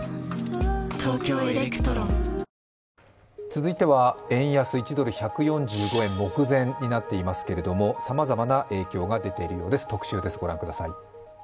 続いては円安１ドル＝１４５円目前になっていますけれども、さまざまな影響が出ているようです、「特集」です、ご覧ください。